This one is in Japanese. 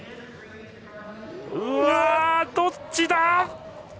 どっちだ？